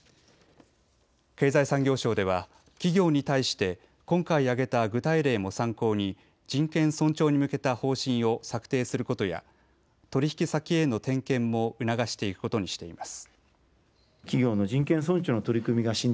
経済産業省では企業に対して今回挙げた具体例も参考に人権尊重に向けた方針を策定することや取引先への点検も促していくことにしています。